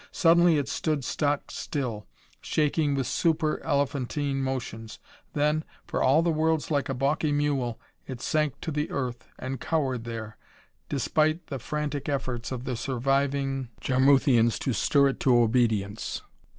Suddenly it stood stock still, shaking with super elephantine motions. Then, for all the world like a balky mule, it sank to the earth and cowered there, despite the frantic efforts of the surviving Jarmuthians to stir it to obedience.